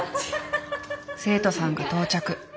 生徒さんが到着。